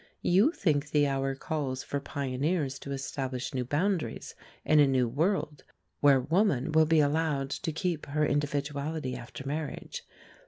You think the hour calls for pioneers to establish new boundaries, in a new world where woman will be allowed to keep her individuality after marriage.